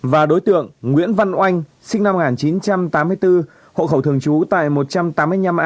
và đối tượng nguyễn văn oanh sinh năm một nghìn chín trăm tám mươi bốn hộ khẩu thường trú tại một trăm tám mươi năm a